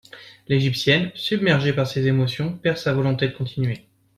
L'Égyptienne, submergée par ses émotions, perd sa volonté de continuer.